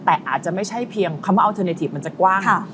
แต่อาจจะไม่ใช่เพียงคำว่าอัลเทอร์เนทีฟมันจะกว้าง